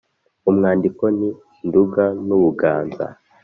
umwandiko ni i Nduga n’u Buganza.